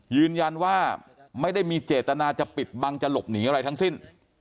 ยืนยันว่าไม่ได้มีเจตนาจะปิดบังจะหลบหนีอะไรทั้งสิ้น